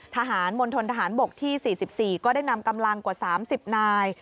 มณฑนทหารบกที่๔๔ก็ได้นำกำลังกว่า๓๐นาย